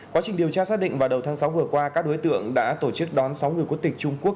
quá trình điều tra xác định vào đầu tháng sáu vừa qua các đối tượng đã tổ chức đón sáu người quốc tịch trung quốc